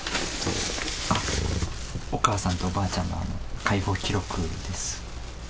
お母さんとおばあちゃんの介護記録です。